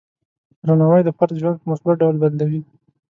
درناوی د فرد ژوند په مثبت ډول بدلوي.